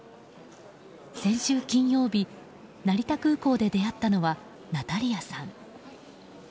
先週金曜日成田空港で出会ったのはナタリアさん。